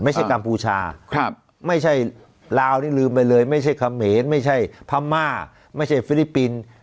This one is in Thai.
กัมพูชาไม่ใช่ลาวนี่ลืมไปเลยไม่ใช่เขมรไม่ใช่พม่าไม่ใช่ฟิลิปปินส์